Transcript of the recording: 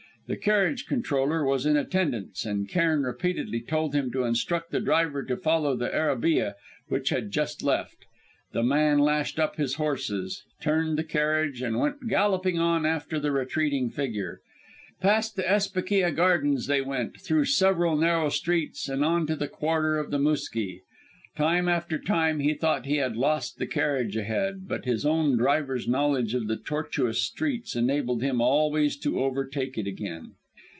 The carriage controller was in attendance, and Cairn rapidly told him to instruct the driver to follow the arabîyeh which had just left. The man lashed up his horses, turned the carriage, and went galloping on after the retreating figure. Past the Esbekîya Gardens they went, through several narrow streets, and on to the quarter of the Mûski. Time after time he thought he had lost the carriage ahead, but his own driver's knowledge of the tortuous streets enabled him always to overtake it again.